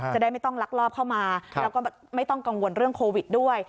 จะได้ไม่ต้องลักลอบเข้ามาแล้วก็ไม่ต้องกังวลเรื่องโควิดด้วย